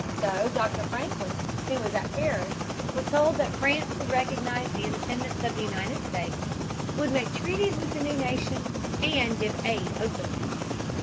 So Dr. Franklin, who was at Paris, was told that France would recognize the independence of the United States, would make treaties with the new nation, and give aid openly.